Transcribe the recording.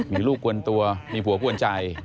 มีลูกกวนตัวมีผัวกวนใจ